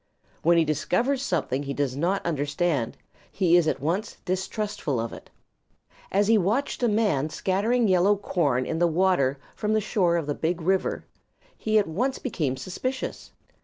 When he discovers something he does not understand, he is at once distrustful of it. As he watched a man scattering yellow corn in the water from the shore of the Big River he at once became suspicious.